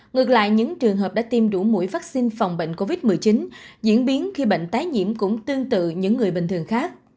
ngược lại những trường hợp đã tiêm đủ mũi vaccine phòng bệnh covid một mươi chín diễn biến khi bệnh tái nhiễm cũng tương tự những người bình thường khác